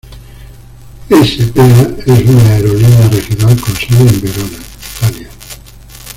S.p.A es una aerolínea regional con sede en Verona, Italia.